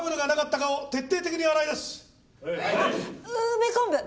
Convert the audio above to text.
梅昆布！